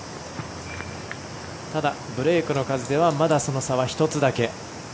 ただ、ブレークの数ではまだその差は１つだけ。